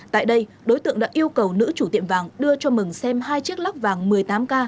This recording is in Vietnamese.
tại đây đối tượng đã yêu cầu nữ chủ tiệm vàng đưa cho mừng xem hai chiếc lắc vàng một mươi tám k